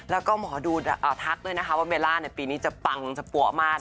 แล้วก็หมอดูดทักด้วยนะคะว่าเมล่าเนี่ยปีนี้จะปังจะปัวมากนะคะ